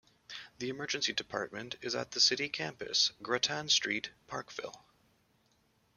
The emergency department is at the City Campus, Grattan Street, Parkville.